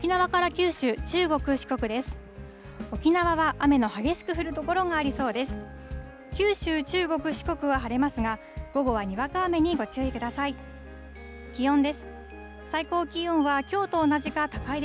九州、中国、四国は晴れますが、午後はにわか雨にご注意ください。